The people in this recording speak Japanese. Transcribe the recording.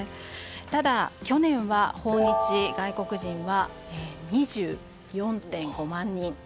ただ去年は訪日外国人は２４．５万人。